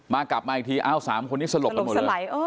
กลับมากลับมาอีกทีอ้าว๓คนนี้สลบกันหมดเลย